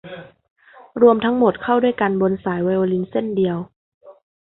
รวมทั้งหมดเข้าด้วยกันบนสายไวโอลินเส้นเดียว